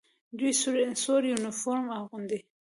دوی سور یونیفورم اغوندي.